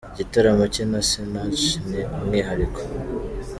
Igitaramo cye na Sinach ni umwihariko.